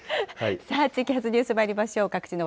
地域発ニュース、まいりましょう。